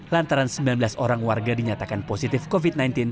lantaran sembilan belas orang warga dinyatakan positif covid sembilan belas